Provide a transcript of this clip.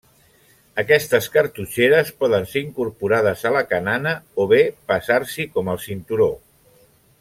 Aquestes cartutxeres poden ser incorporades a la canana o bé passar-s'hi com al cinturó.